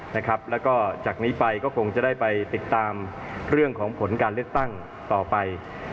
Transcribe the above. แล้วก็จากนี้ไปก็คงจะได้ไปติดตามเรื่องของผลการเลือกตั้งต่อไป